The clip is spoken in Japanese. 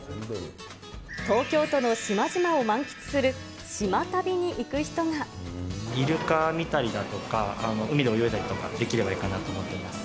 東京都の島々を満喫する島旅イルカ見たりだとか、海で泳いだりとかできればいいかなと思っています。